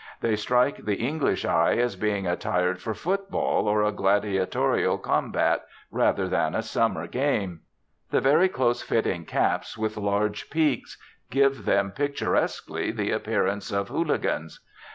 They strike the English eye as being attired for football, or a gladiatorial combat, rather than a summer game. The very close fitting caps, with large peaks, give them picturesquely the appearance of hooligans.